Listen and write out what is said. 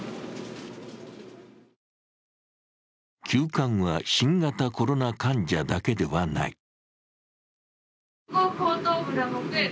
急患は新型コロナ患者だけではない。